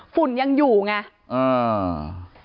ฝุ่นยังอยู่ไงอ่า